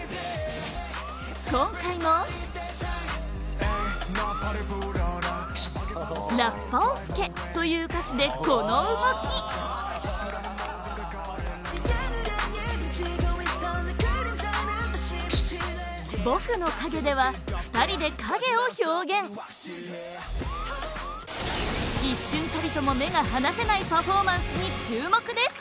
今回も「ラッパを吹け」という歌詞で、この動き「僕の影」では２人で影を表現一瞬たりとも目が離せないパフォーマンスに注目です